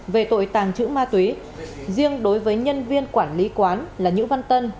về tội tàng trữ ma túy riêng đối với nhân viên quản lý quán là nhữ văn tân